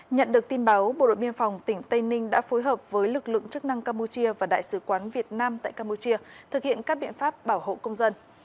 nhận được tin báo bộ đội biên phòng tỉnh tây ninh đã phối hợp với lực lượng chức năng campuchia và đại sứ quán việt nam tại campuchia thực hiện các biện pháp bảo hộ công dân